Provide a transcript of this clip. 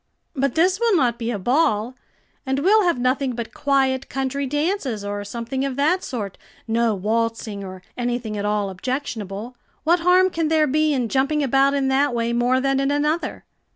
"But this will not be a ball, and we'll have nothing but quiet country dances, or something of that sort, no waltzing or anything at all objectionable. What harm can there be in jumping about in that way more than in another?"